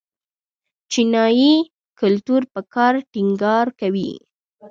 چینايي کلتور پر کار ټینګار کوي.